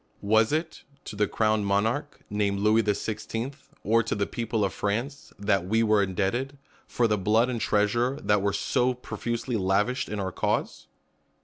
Was it to the crowned monarch, nam^ Louis the Sixteenth, or to the people of France, that we were indebted, for the blood and treasure that were so profusely lavished in our cause